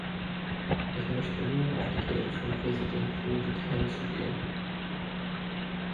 Ich möchte nun auf die Rede von Präsident Prodi einzugehen.